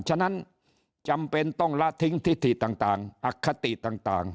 ฉะนั้นจำเป็นต้องละทิ้งทิถิต่างอคติต่าง